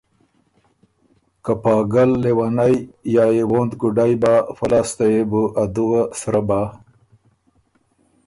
که پاګل، لېونئ یا يې ووند، ګُوډئ بَۀ، فۀ لاسته يې بو ا دُوه سرۀ بَۀ۔